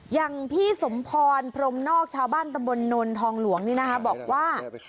อย่างพี่สมพรพรมนอกชาวบ้านตำบลนนทองหลวงนี่นะคะบอกว่า